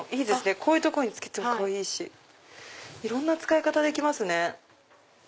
こういうとこに着けてもかわいいしいろんな使い方できますね。